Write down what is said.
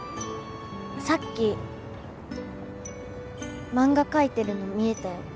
さっき漫画描いてるの見えたよ